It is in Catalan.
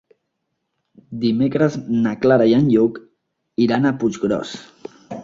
Dimecres na Clara i en Lluc iran a Puiggròs.